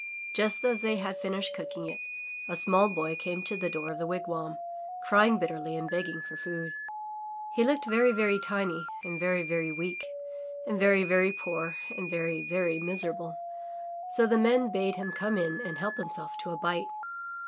Just as they had finished cooking it, a small boy came to the door of the wigwam, crying bitterly and begging for food. He looked very, very tiny and very, very weak and very, very poor and very, very miserable, so the Men bade him come in and help himself to a bite.